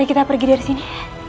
kita pergi dari sini